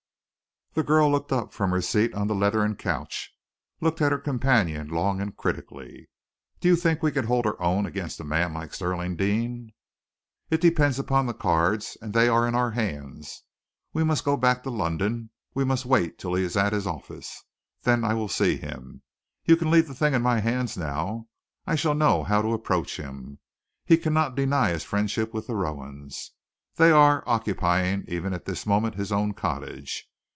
The girl looked up from her seat on the leathern couch, looked at her companion long and critically. "Do you think we can hold our own against a man like Stirling Deane?" "It depends upon the cards, and they are in our hands. We must go back to London. We must wait till he is at his office. Then I will see him. You can leave the thing in my hands now. I shall know how to approach him. He cannot deny his friendship with the Rowans. They are occupying, even at this moment, his own cottage.